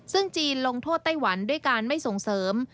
ซึ่งจีนลงโทษไต้หวันด้วยการไม่ส่งเสริม